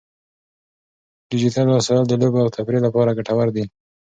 ډیجیټل وسایل د لوبو او تفریح لپاره ګټور دي.